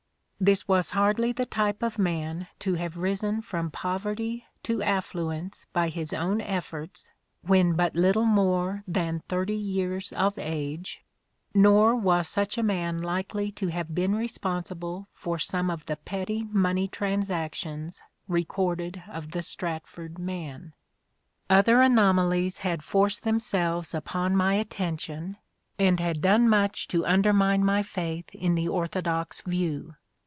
This was hardly the type of man to have risen from poverty to affluence by his own efforts when but little more than thirty years of age, nor was such a man likely to have been responsible for some of the petty money transactions recorded of the Stratford man. Other anomalies had forced them selves upon my attention and had done much to I INTRODUCTION 15 undermine my faith in the orthodox view.